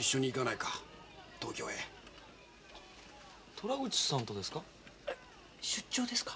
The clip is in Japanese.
虎口さんとですか？